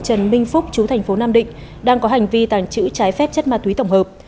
trần minh phúc chú thành phố nam định đang có hành vi tàng trữ trái phép chất ma túy tổng hợp